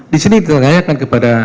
di sini kita tanyakan kepada